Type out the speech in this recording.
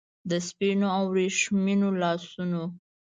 د سپینو او وریښمینو لاسونو